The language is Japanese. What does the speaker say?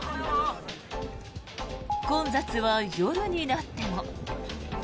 混雑は夜になっても。